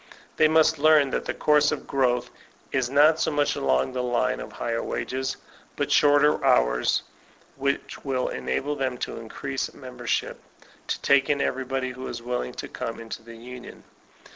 They must learn that the course of growth is not so much along the line of higher wages, but shorter hours, which will enable them to increase membership, to take in every body who is willing to come into the union.